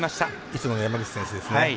いつもの山口選手ですね。